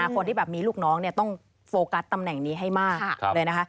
คนที่แบบมีลูกน้องต้องโฟกัสตำแหน่งนี้ให้มากเลยนะคะ